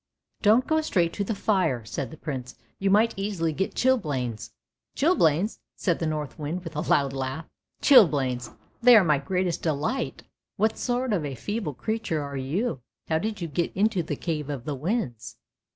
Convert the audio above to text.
" Don't go straight to the fire," said the Prince. " You might easily get chilblains! "" Chilblains! " said the Northwind with a loud laugh. " Chilblains ! they are my greatest delight ! What sort of a feeble creature are you? How did you get into the cave of the winds?